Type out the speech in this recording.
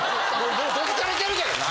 もうどつかれてるけどな。